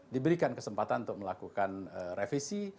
diberikan kesempatan untuk melakukan revisi